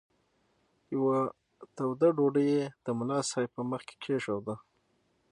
یوه توده ډوډۍ یې د ملا صاحب په مخ کې کښېښوده.